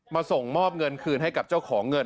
ส่งมอบเงินคืนให้กับเจ้าของเงิน